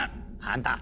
あんた！